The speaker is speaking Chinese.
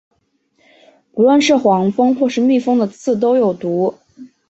不论是黄蜂或是蜜蜂的刺都有毒。